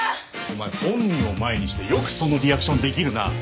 お前本人を前にしてよくそのリアクションできるな。